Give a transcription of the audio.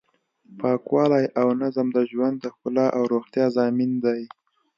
پاکوالی او نظم د ژوند د ښکلا او روغتیا ضامن دی.